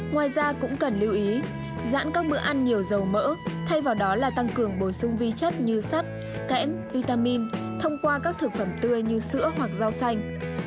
ngoài ra cũng cần lưu ý giãn các bữa ăn nhiều dầu mỡ thay vào đó là tăng cường bổ sung vi chất như sắt kẽm vitamin thông qua các thực phẩm tươi như sữa hoặc rau xanh